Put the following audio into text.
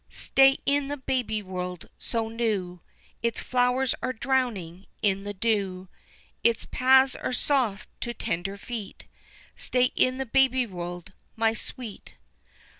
Stay in the baby world so new, Its flowers are drowning in the dew, Its paths are soft to tender feet, Stay in the baby world my sweet!